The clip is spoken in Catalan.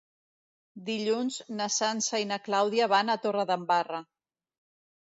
Dilluns na Sança i na Clàudia van a Torredembarra.